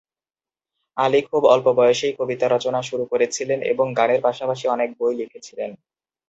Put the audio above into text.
আলী খুব অল্প বয়সেই কবিতা রচনা শুরু করেছিলেন এবং গানের পাশাপাশি অনেক বই লিখেছিলেন।